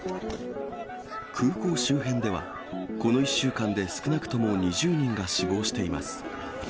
空港周辺では、この１週間で少なくとも２０人が死亡しています。